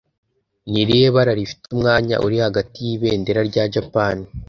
Ni irihe bara rifite umwanya uri hagati y'ibendera rya Japan?